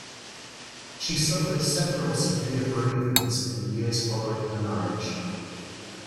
She suffered several severe bereavements in the years following her marriage.